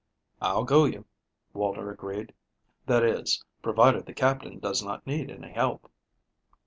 "I'll go you," Walter agreed. "That is, provided the Captain does not need any help."